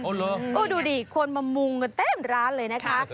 โอ้โหดูดิคนมะมุงเต้มร้านเลยนะคะ